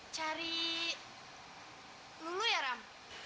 cari lulu ya ram